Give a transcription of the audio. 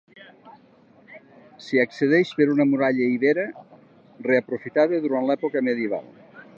S'hi accedeix per una muralla ibera reaprofitada durant l'època medieval.